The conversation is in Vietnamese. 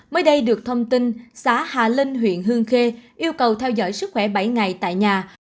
mới đây được thông tin xã hà linh huyện hương khê yêu cầu theo dõi sức khỏe bảy ngày tại nhà